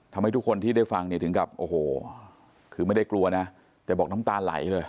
ทำให้ทุกคนที่ได้ฟังเนี่ยถึงกับโอ้โหคือไม่ได้กลัวนะแต่บอกน้ำตาไหลเลย